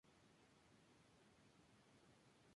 Todos los intentos hasta ahora han fracasado.